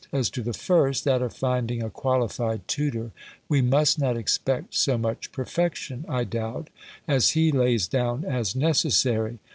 As to the first, that of finding a qualified tutor; we must not expect so much perfection, I doubt, as he lays down as necessary.